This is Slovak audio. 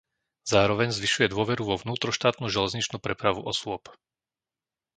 Zároveň zvyšuje dôveru vo vnútroštátnu železničnú prepravu osôb.